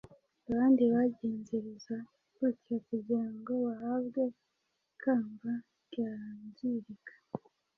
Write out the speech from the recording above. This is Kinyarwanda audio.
Abandi bagenzereza gutyo kugira ngo bahabwe ikamba ryangirika,